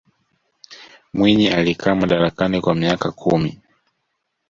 mwinyi alikaa madarakani kwa miaka kumi